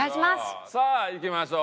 さあいきましょう。